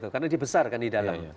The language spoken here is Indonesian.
karena dibesarkan di dalam